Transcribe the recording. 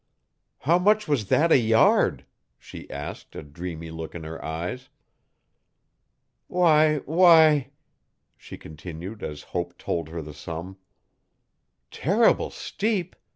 'How much was that a yard?' she asked a dreamy look in her eyes. 'Wy! w'y!' she continued as Hope told her the sum. 'Terrible steep!